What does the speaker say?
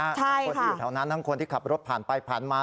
คนที่อยู่แถวนั้นทั้งคนที่ขับรถผ่านไปผ่านมา